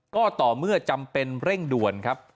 ก็ต่อเมื่อจำเป็นเร่งด่วนครับ